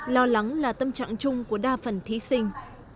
lo lắng là tâm trạng chung của đa phần thí sinh